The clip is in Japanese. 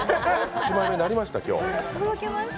１枚目になりました。